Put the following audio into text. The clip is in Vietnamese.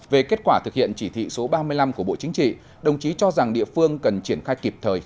về kết quả thực hiện chỉ thị số ba mươi năm của bộ chính trị đồng chí cho rằng địa phương cần triển khai kịp thời